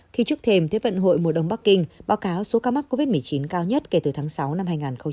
thì trước thêm thế vận hội mùa đông bắc kinh báo cáo số ca mắc covid một mươi chín cao nhất kể từ tháng sáu năm hai nghìn hai mươi